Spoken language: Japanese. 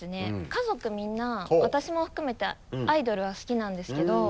家族みんな私も含めてアイドルは好きなんですけど。